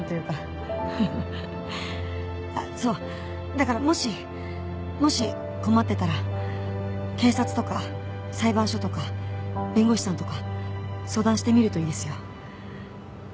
あっそうだからもしもし困ってたら警察とか裁判所とか弁護士さんとか相談してみるといいですよ。